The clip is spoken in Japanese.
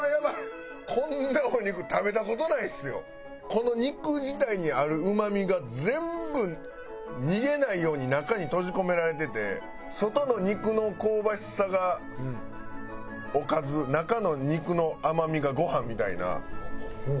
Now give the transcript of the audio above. この肉自体にあるうまみが全部逃げないように中に閉じ込められてて外の肉の香ばしさがおかず中の肉の甘みがご飯みたいな。